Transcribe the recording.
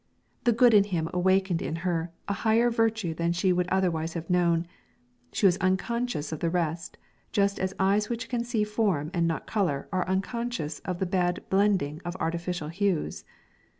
The good in him awakened in her a higher virtue than she would otherwise have known; she was unconscious of the rest, just as eyes which can see form and not colour are unconscious of the bad blending of artificial hues.